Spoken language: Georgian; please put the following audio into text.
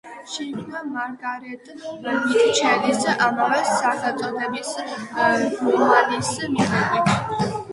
შექმნილია მარგარეტ მიტჩელის ამავე სახელწოდების რომანის მიხედვით.